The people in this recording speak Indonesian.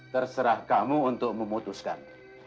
terserah kamu untuk memutuskan